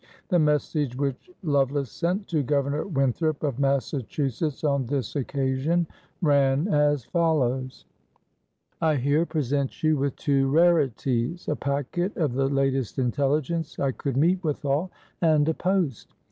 The message which Lovelace sent to Governor Winthrop of Massachusetts on this occasion ran as follows: I here present you with two rarities, a pacquett of the latest intelligence I could meet withal, and a Post.